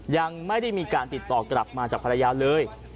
ยังไม่ได้มีการติดต่อกลับมาจากภรรยาเลย